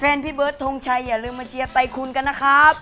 พี่เบิร์ดทงชัยอย่าลืมมาเชียร์ไตคุณกันนะครับ